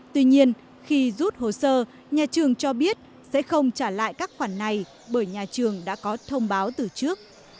tuy nhiên khi rút hồ sơ nhà trường cho biết sẽ không trả lại các khoản này bởi nhà trường đã có thông báo từ trước